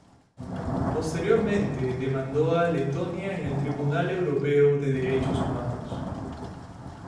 Posteriormente, demandó a Letonia en el Tribunal Europeo de Derechos Humanos.